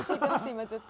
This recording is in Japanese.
今ずっと。